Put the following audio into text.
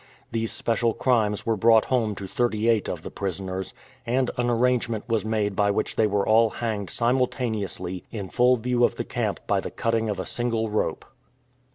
These special crimes were brought home to thirty eight of the prisoners, and an arrange ment was made by which they were all hanged simultan eously in full view of the camp by the cutting of a single rope.